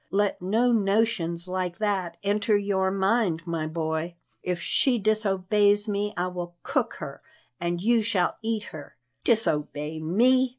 Let no notions like that enter your mind, my boy. If she disobeys me, I will cook her and you shall eat her. Disobey me!"